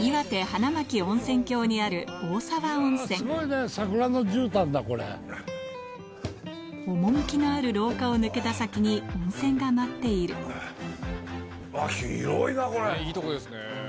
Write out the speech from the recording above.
花巻温泉郷にある趣のある廊下を抜けた先に温泉が待っているあっ広いなこれ。